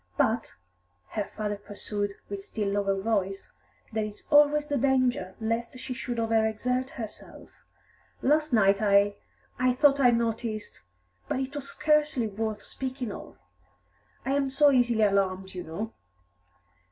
"But," her father pursued, with still lower voice, "there is always the danger lest she should over exert herself. Last night I I thought I noticed but it was scarcely worth speaking of; I am so easily alarmed, you know."